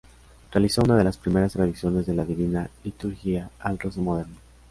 Realizó una de las primeras traducciones de la Divina Liturgia al ruso moderno.